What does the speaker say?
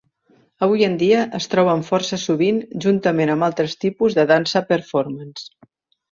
Avui en dia es troben força sovint juntament amb altres tipus de dansa performance.